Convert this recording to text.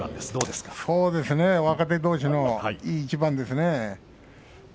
そうですね若手どうしのいい一番ですね。